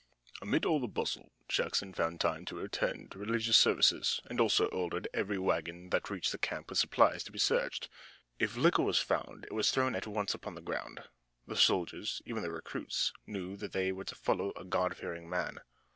Amid all the bustle Jackson found time to attend religious services, and also ordered every wagon that reached the camp with supplies to be searched. If liquor were found it was thrown at once upon the ground. The soldiers, even the recruits, knew that they were to follow a God fearing man.